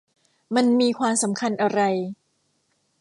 มันมีความสำคัญอะไร ?